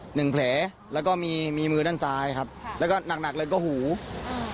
หนึ่งแผลแล้วก็มีมีมือด้านซ้ายครับแล้วก็หนักหนักเลยก็หู